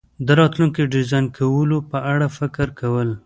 د راتلونکي ډیزاین کولو په اړه فکر کول